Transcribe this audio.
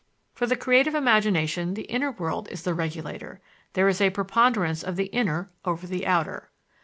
For the creative imagination the inner world is the regulator; there is a preponderance of the inner over the outer.